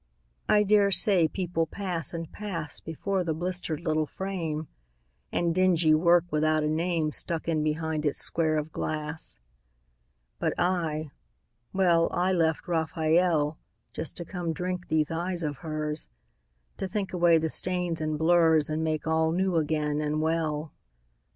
I dare say people pass and pass Before the blistered little frame, And dingy work without a name Stuck in behind its square of glass. But I, well, I left Raphael Just to come drink these eyes of hers, To think away the stains and blurs And make all new again and well.